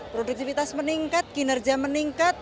produktivitas meningkat kinerja meningkat